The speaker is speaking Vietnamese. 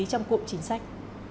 trong cuộc chính sách